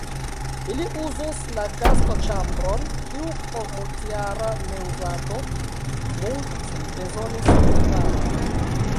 Ili uzos la gastoĉambron, kiu pro multjara neuzado multe bezonis riparon.